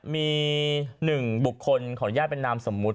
มีหนึ่งบุคคนของย่านเป็นนามสมมติ